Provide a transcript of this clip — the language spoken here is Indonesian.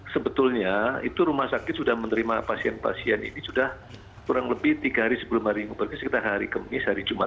sebetulnya itu rumah sakit sudah menerima pasien pasien ini sudah kurang lebih tiga hari sebelum hari ini berarti sekitar hari kemis hari jumat